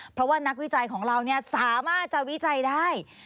เพราะว่านักวิจัยของเราสามารถจะวิจัยได้